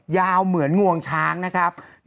เหมือนงวงช้างนะครับ